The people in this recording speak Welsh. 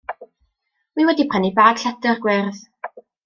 Wi wedi prynu bag lledr gwyrdd.